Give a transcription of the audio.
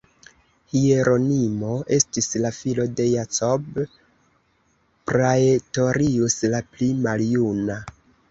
Hieronimo estis la filo de Jacob Praetorius la pli maljuna.